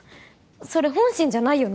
それ本心じゃないよね？